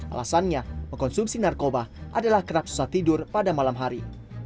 alasannya mengkonsumsi narkoba adalah kerap susah tidur pada malam hari